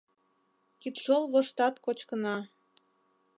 Кидшол воштат кочкына.